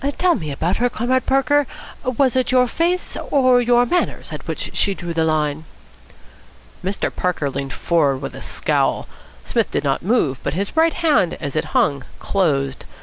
Tell me about her, Comrade Parker. Was it your face or your manners at which she drew the line?" Mr. Parker leaned forward with a scowl. Psmith did not move, but his right hand, as it hung, closed.